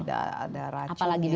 tidak ada racunnya dan lain sebagainya